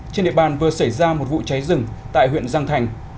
trên địa bàn vừa xảy ra một vụ cháy rừng tại huyện giang thành